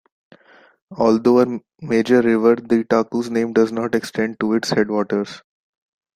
Although a major river, the Taku's name does not extend to its headwaters.